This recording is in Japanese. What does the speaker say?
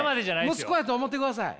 息子やと思ってください。